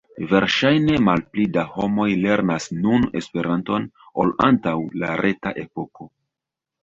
Verŝajne malpli da homoj lernas nun Esperanton ol antaŭ la reta epoko.